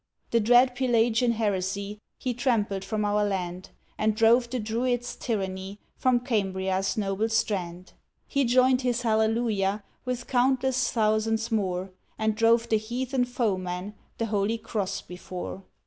The dread Pelagian heresy He trampled from our land, And drove the Druid's tyranny From Cambria's noble strand. He joined his Alleluia With countless thousands more, And drove the heathen foemen, The Holy Cross before.